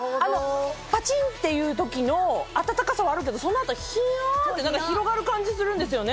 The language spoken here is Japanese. パチンっていう時の温かさはあるけどその後冷やって何か広がる感じするんですよね。